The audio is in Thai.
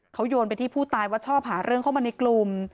เขาโยนไปที่ผู้ตายว่าชอบหาเรื่องเข้ามาในกลุ่ม